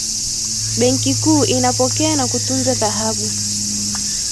benki kuu inapokea na kutunza dhahabu